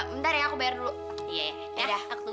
bentar ya aku bayar dulu